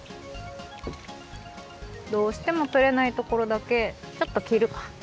どうしてもとれないところだけちょっときるか。